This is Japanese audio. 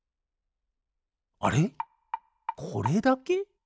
あれこれだけ？